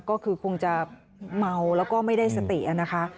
ก็คือคงจะเมาแล้วก็ไม่ได้สตินะคะ